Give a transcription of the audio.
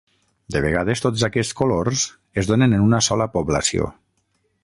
De vegades, tots aquests colors es donen en una sola població.